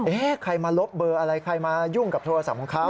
ใครมาลบเบอร์อะไรใครมายุ่งกับโทรศัพท์ของเขา